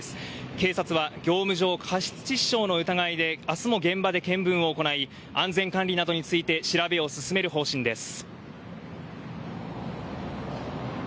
警察は業務上過失致死傷の疑いで明日も現場で検分を行い安全管理などについて調べを進める方針です。